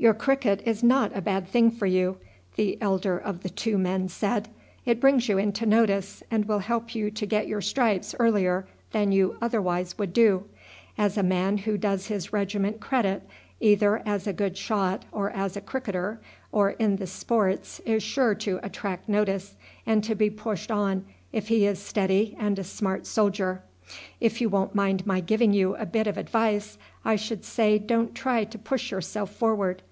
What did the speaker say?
"Your cricket is not a bad thing for you," the elder of the two men said. "It brings you into notice, and will help you to get your stripes earlier than you otherwise would do; as a man who does his regiment credit either as a good shot or as a cricketer or in the sports is sure to attract notice, and to be pushed on if he is steady and a smart soldier. If you won't mind my giving you a bit of advice, I should say don't try to push yourself forward.